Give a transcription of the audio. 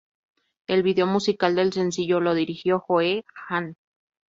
El video musical del sencillo lo dirigió Joe Hahn.